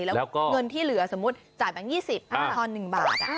แล้วก็เงินที่เหลือสมมุติจ่ายแบงค์๒๐ทอน๑บาท